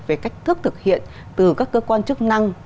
về cách thức thực hiện từ các cơ quan chức năng